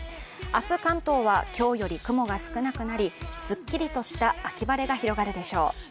明日、関東は今日より雲が少なくなり、すっきりとした秋晴れが広がるでしょう。